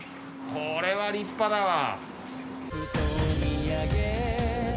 これは立派だわ。